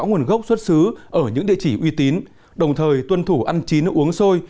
nguồn gốc xuất xứ ở những địa chỉ uy tín đồng thời tuân thủ ăn chín uống xôi